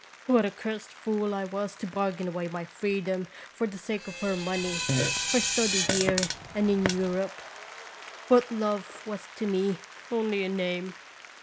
What a cursed fool I was to bargain away my freedom for the sake of her money, for study here and in Europe ! But love was to me only a name.